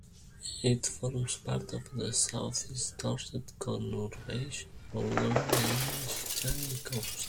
It forms part of the South East Dorset conurbation along the English Channel coast.